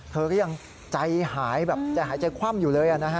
เธอก็ยังแบบจะหายใจคว่ำอยู่เลย